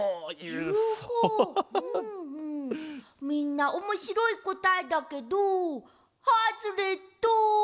みんなおもしろいこたえだけどハズレット！